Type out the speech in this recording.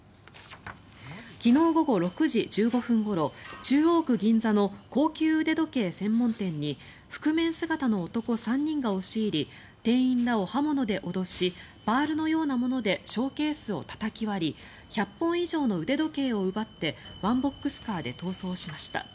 昨日午後６時１５分ごろ中央区銀座の高級腕時計専門店に覆面姿の男３人が押し入り店員らを刃物で脅しバールのようなものでショーケースをたたき割り１００本以上の腕時計を奪ってワンボックスカーで逃走しました。